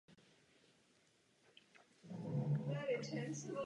Je dobře, že k tomu nedošlo.